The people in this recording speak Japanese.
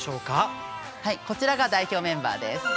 はいこちらが代表メンバーです。